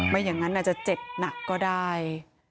ไม่อย่างนั้นอาจจะเจ็บหนักก็ได้